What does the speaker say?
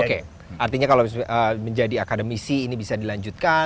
oke artinya kalau menjadi akademisi ini bisa dilanjutkan